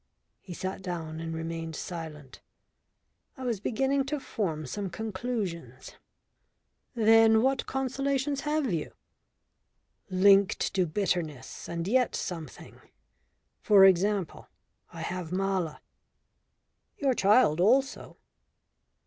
He sat down and remained silent. I was beginning to form some conclusions. "Then what consolations have you?" "Linked to bitterness and yet something. For example I have Mala." "Your child also."